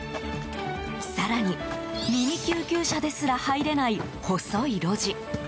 更に、ミニ救急車ですら入れない細い路地。